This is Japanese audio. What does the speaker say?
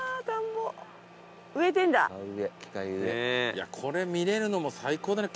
いやこれ見れるのも最高だね